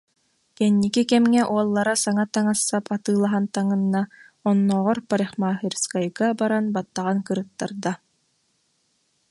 Кэнники кэмҥэ уоллара саҥа таҥас-сап атыылаһан таҥынна, оннооҕор парикмахерскайга баран баттаҕын кырыттарда